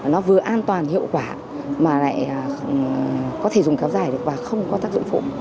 nó vừa an toàn hiệu quả mà lại có thể dùng kéo dài được và không có tác dụng phụ